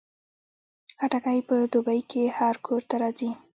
خټکی په دوبۍ کې هر کور ته راځي.